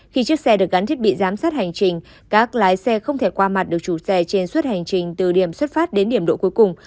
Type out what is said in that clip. khi chiếc xe được gắn thiết bị giám sát hành trình các lái xe không thể qua mặt được chủ xe trên suốt hành trình từ điểm xuất phát đến điểm độ cuối cùng